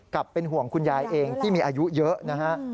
เป็นห่วงคุณยายเองที่มีอายุเยอะนะฮะ